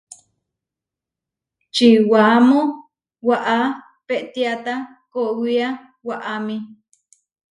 Čiwaamó waʼá peʼtiáta kowiá waʼámi.